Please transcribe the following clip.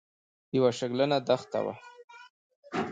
یوه شګلنه دښته وه.